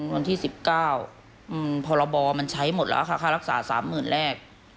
วันที่๑๙พรบมันใช้หมดแล้วค่ะค่ารักษา๓๐๐๐แรก